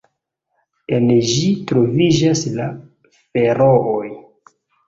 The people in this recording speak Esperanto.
En ĝi troviĝas la Ferooj.